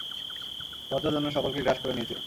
লজ্জা যেন সকলকে গ্রাস করে নিয়েছিল।